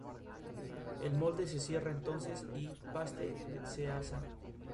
Un jurado de diez miembros seleccionó treinta canciones para la competición.